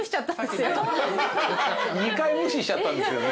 ２回無視しちゃったんですよね。